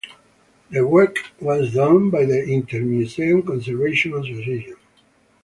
The work was done by the Intermuseum Conservation Association.